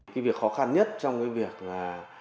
cái việc khó khăn nhất trong cái việc là